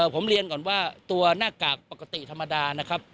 ผมเรียนก่อนว่าตัวหน้ากากปกติธรรมดานะครับ